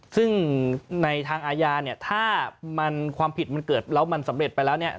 ซึ่งในทางอาญาถ้าความผิดมันเกิดแล้วมันสำเร็จไปแล้ว